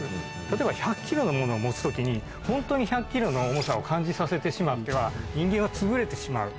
例えば１００ｋｇのものを持つ時にホントに１００ｋｇの重さを感じさせてしまっては人間はつぶれてしまう。